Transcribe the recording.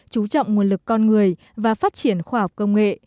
chú trọng nguồn lực con người và phát triển khoa học công nghệ